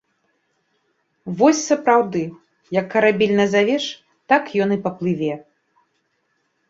Вось сапраўды, як карабель назавеш, так ён і паплыве.